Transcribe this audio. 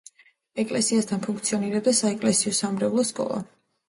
ეკლესიასთან ფუნქციონირებდა საეკლესიო-სამრევლო სკოლა.